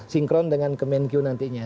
sinkron dengan kemenkyu nantinya